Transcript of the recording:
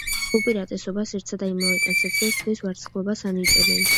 უპირატესობას ერთსა და იმავე ტანსაცმელს, თმის ვარცხნილობას ანიჭებენ.